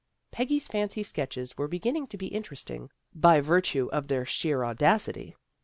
Peggy's fancy sketches were beginning to be interesting, by virtue of their sheer audacity.